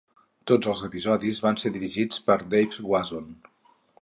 Tots els episodis van ser dirigits per Dave Wasson.